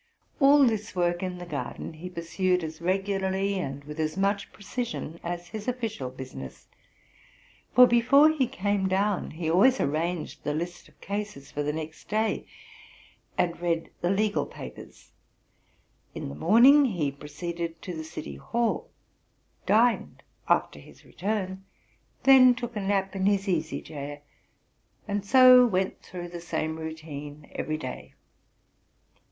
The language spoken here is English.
All this work in the garden he pursued as regularly and with as much precision as his official business; for, before he came down, he always arranged the list of cases for the next day, and read the legal papers. In the morning he proceeded to the city hall, dined after his return, then took a nap in his easy chair, and so went through the same routine every day.